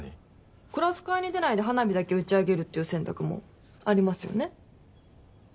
クラス会に出ないで花火だけ打ち上げるっていう選択もありますよね？